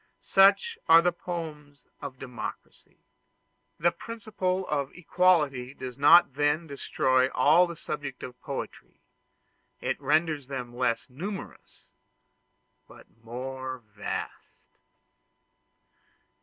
Such are the poems of democracy. The principle of equality does not then destroy all the subjects of poetry: it renders them less numerous, but more vast.